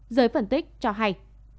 giới phân tích cho hay